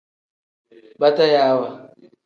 Batayaawa.